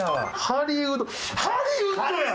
ハリウッドや！